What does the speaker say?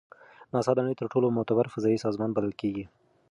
ناسا د نړۍ تر ټولو معتبر فضایي سازمان بلل کیږي.